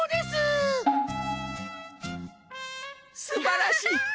すばらしい！